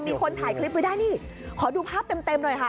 มีคนถ่ายคลิปไว้ได้นี่ขอดูภาพเต็มหน่อยค่ะ